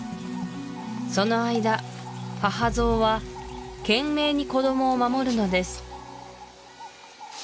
その間母ゾウは懸命に子どもを守るのです